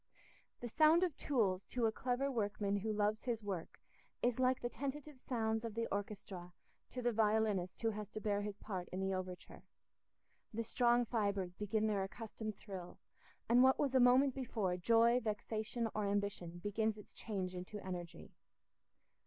The sound of tools to a clever workman who loves his work is like the tentative sounds of the orchestra to the violinist who has to bear his part in the overture: the strong fibres begin their accustomed thrill, and what was a moment before joy, vexation, or ambition, begins its change into energy.